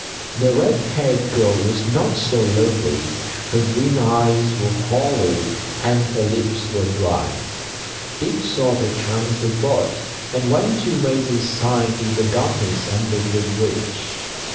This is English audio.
The red haired girl was not so lovely. Her green eyes were hollow and her lips were dry. Dick saw the trunks aboard, and went to Maisie's side in the darkness under the bridge.